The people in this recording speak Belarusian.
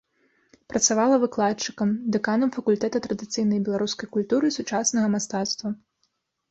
Працавала выкладчыкам, дэканам факультэта традыцыйнай беларускай культуры і сучаснага мастацтва.